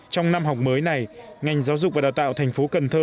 trong năm học mới này ngành giáo dục và đào tạo thành phố cần thơ